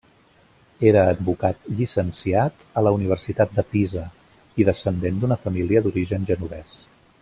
Era advocat llicenciat a la Universitat de Pisa, i descendent d'una família d'origen genovès.